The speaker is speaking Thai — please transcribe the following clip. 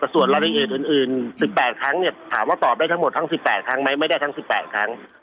ส่วนรายละเอียดอื่น๑๘ครั้งเนี่ยถามว่าตอบได้ทั้งหมดทั้ง๑๘ครั้งไหมไม่ได้ทั้ง๑๘ครั้ง